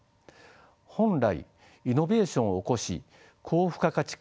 本来イノベーションを起こし高付加価値化